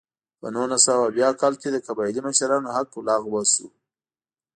په نولس سوه اویا کال کې د قبایلي مشرانو حق لغوه شو.